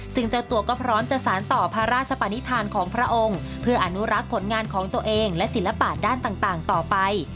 ซึ่งเจ้าตัวก็พร้อมจะสารต่อพระราชปนิษฐานของพระองค์เพื่ออนุรักษ์ผลงานของตัวเองและศิลปะด้านต่างต่อไป